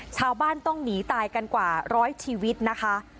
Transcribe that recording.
ชาวบ้านต้องหนีตายกันกว่าร้อยชีวิตนะคะ